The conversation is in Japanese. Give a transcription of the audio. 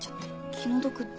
気の毒って？